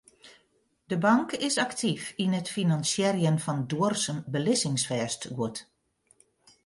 De bank is aktyf yn it finansierjen fan duorsum belizzingsfêstguod.